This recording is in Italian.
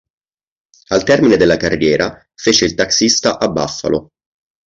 Al termine della carriera fece il taxista a Buffalo.